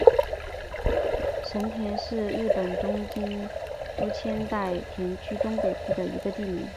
神田是日本东京都千代田区东北部的一个地名。